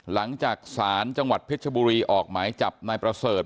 หลังจากศาลจังหวัดเพชรบุรีออกหมายจับนายประเสริฐ